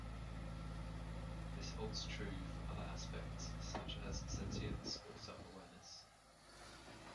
This holds true for other aspects, such as sentience or self-awareness.